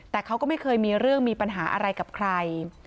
แต่เขาก็ไม่เคยมีเรื่องมีปัญหาอะไรกับใคร